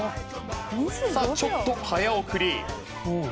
ちょっと早送り。